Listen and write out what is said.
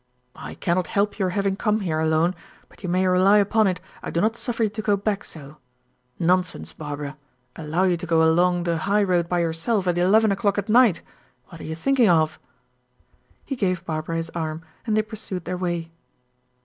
"I cannot help your having come here alone, but you may rely upon it, I do not suffer you to go back so. Nonsense, Barbara! Allow you to go along the high road by yourself at eleven o'clock at night? What are you thinking of?" He gave Barbara his arm, and they pursued their way.